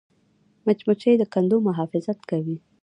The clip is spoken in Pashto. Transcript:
مچمچۍ د کندو محافظت کوي